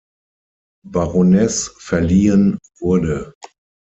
Baroness verliehen wurde.